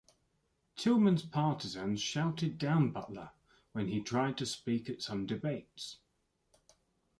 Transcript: Tillman's partisans shouted down Butler when he tried to speak at some debates.